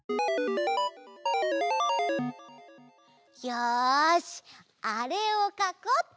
よしあれをかこうっと！